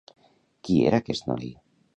Qui era aquest noi?